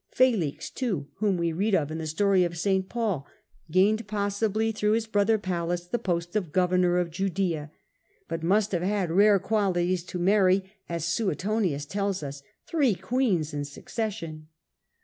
Felix, too, whom we read of in the story of St. Paul, gained, possibly through his brother Pallas, the post of governor of Judea, but must have had rare qua lities to marry, as Suetonius tells us, three queens in suc cession.